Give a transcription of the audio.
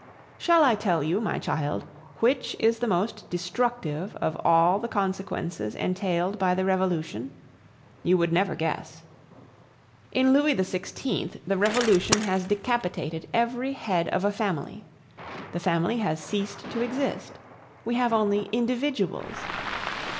"Shall I tell you, my child, which is the most destructive of all the consequences entailed by the Revolution? You would never guess. In Louis XVI. the Revolution has decapitated every head of a family. The family has ceased to exist; we have only individuals.